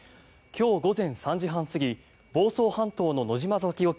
今日午前３時半過ぎ房総半島の野島崎沖